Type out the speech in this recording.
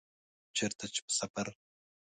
چیرته چي په سفر